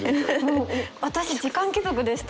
もう私時間貴族でした。